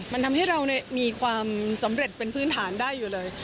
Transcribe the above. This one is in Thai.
มันทำให้เรามีความสำเร็จเป็นพื้นฐานได้อยู่เลย